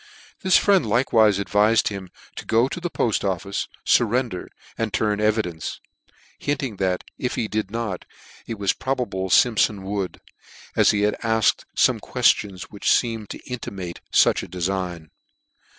This friend likewife. advifed him to go to the Poll Office, furrender, and turn evidence ; hinting that if he did not, it was pro bable Siinpfon would : as he had asked fome questions which feemcd to intimate fuch a defign.